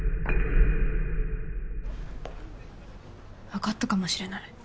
わかったかもしれない。